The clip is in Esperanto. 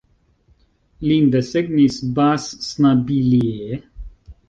Lin desegnis Bas Snabilie.